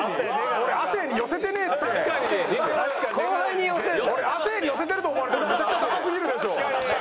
俺亜生に寄せてると思われたらめちゃくちゃダサすぎるでしょ。